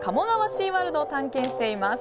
シーワールドを探検しています。